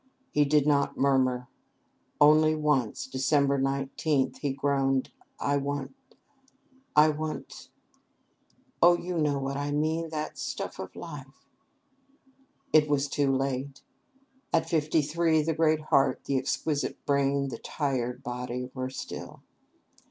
He did not murmur. Only once, Dec. 19, he groaned, "I want I want oh, you know what I mean, that stuff of life!" It was too late. At fifty three the great heart, the exquisite brain, the tired body, were still.